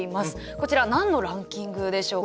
こちら何のランキングでしょうか？